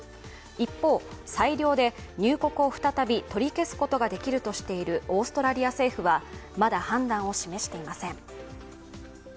一方、裁量で入国を再び取り消すことができるとしているオーストラリア政府はまだ判断を示していません。